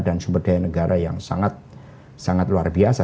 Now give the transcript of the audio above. dan sumber daya negara yang sangat luar biasa